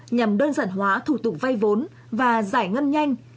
nhằm đơn giản hóa thủ tục vay vốn và giải ngân nhanh